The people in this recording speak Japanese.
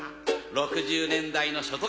６０年代の所得